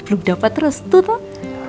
belum dapat restu tuh